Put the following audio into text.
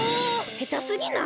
へたすぎない？